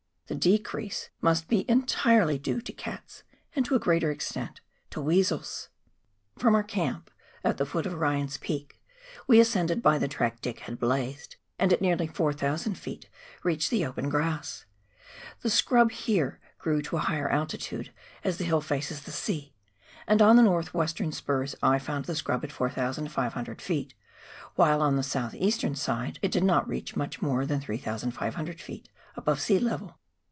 The decrease must be entirely due to cats, and to a greater extent to weasels. From our camp at the foot of Ryan's Peak we ascended by the track Dick had blazed, and at nearly 4,000 ft. reached the open grass. The scrub here grew to a higher altitude as the hill faces the sea, and on the north western spurs I found scrub at 4,500 ft., while on the south eastern side it did not reach more than 3,500 ft. above sea level.